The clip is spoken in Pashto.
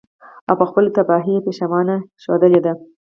او په خپلو تباهيو ئې پښېمانه ښودلے شي.